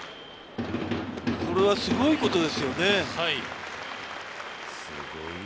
これはすごいことですよね。